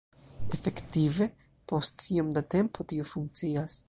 Efektive, post iom da tempo, tio funkcias.